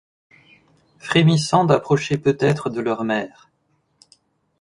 Frémissant d’approcher peut-être de leur mère